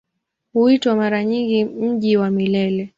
Huitwa mara nyingi "Mji wa Milele".